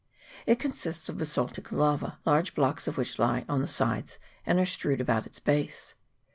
It consists of basaltic lava, large blocks of which lie on the sides and are strewed around its base.